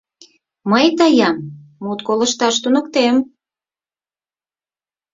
Мый тыйым мут колышташ туныктем!